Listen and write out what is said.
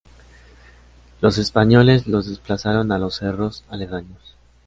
Los españoles los desplazaron a los cerros aledaños.